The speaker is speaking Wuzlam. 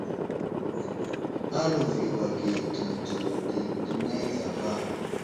A liviyo age tanzo ɗi tənay zlavaŋ.